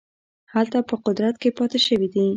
هلته په قدرت کې پاته شوي دي.